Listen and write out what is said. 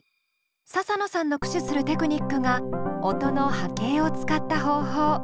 ササノさんの駆使するテクニックが音の波形を使った方法。